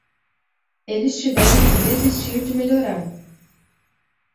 Eles tiveram que desistir de melhorar.